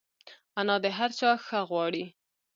انا د هر چا ښه غواړي